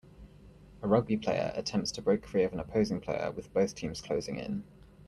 A rugby player attempts to break free of an opposing player with both teams closing in.